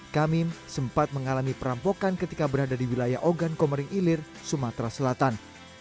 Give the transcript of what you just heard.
kamim sempat mengalami perampokan ketika berada di wilayah ogan komering ilir sumatera selatan